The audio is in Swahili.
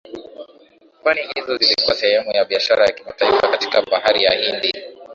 Pwani hizo zilikuwa sehemu ya biashara ya kimataifa katika Bahari ya Hindi